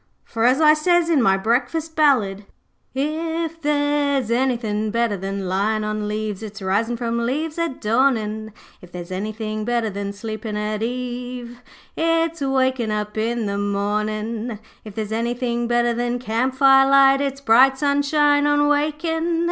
For as I says in my "Breakfast Ballad" 'If there's anythin' better than lyin' on leaves, It's risin' from leaves at dawnin', If there's anythin' better than sleepin' at eve, It's wakin' up in the mawnin'. 'If there's anythin' better than camp firelight, It's bright sunshine on wakin'.